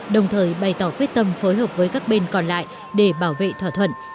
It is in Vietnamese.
đồng thời bày tỏ quyết tâm phối hợp với các bên còn lại để bảo vệ thỏa thuận